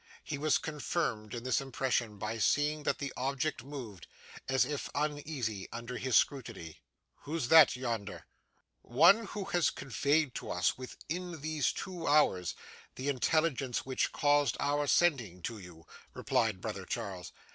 He was confirmed in this impression by seeing that the object moved, as if uneasy under his scrutiny. 'Who's that yonder?' he said. 'One who has conveyed to us, within these two hours, the intelligence which caused our sending to you,' replied brother Charles.